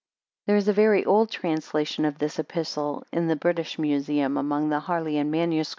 There is a very old translation of this Epistle in the British Museum, among the Harleian MSS.